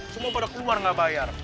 semua pada keluar nggak bayar